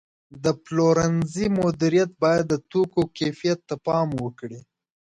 د پلورنځي مدیریت باید د توکو کیفیت ته پام وکړي.